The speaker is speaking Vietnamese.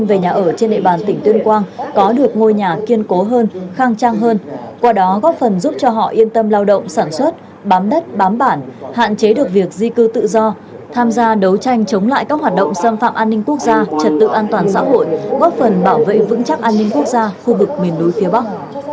về nhà ở trên địa bàn tỉnh tuyên quang có được ngôi nhà kiên cố hơn khang trang hơn qua đó góp phần giúp cho họ yên tâm lao động sản xuất bám đất bám bản hạn chế được việc di cư tự do tham gia đấu tranh chống lại các hoạt động xâm phạm an ninh quốc gia trật tự an toàn xã hội góp phần bảo vệ vững chắc an ninh quốc gia khu vực miền núi phía bắc